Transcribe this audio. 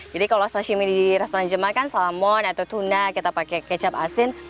jadi kalau sashimi di restoran jepang kan salmon atau tuna kita pakai kecap asin